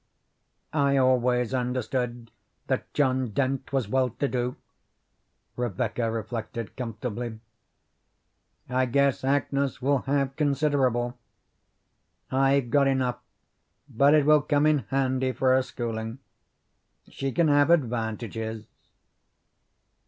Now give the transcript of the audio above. "I always understood that John Dent was well to do," Rebecca reflected comfortably. "I guess Agnes will have considerable. I've got enough, but it will come in handy for her schooling. She can have advantages."